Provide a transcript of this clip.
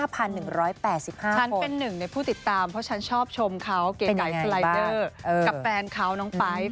หนึ่งในผู้ติดตามเพราะฉันชอบชมเขาเก๋ไก่สไลเดอร์กับแฟนเขาน้องไป๊